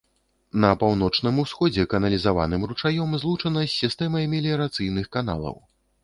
На паўночным усходзе каналізаваным ручаём злучана з сістэмай меліярацыйных каналаў.